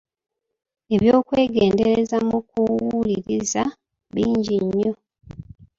Eby’okwegendereza mu kuwuliriza bingi nnyo.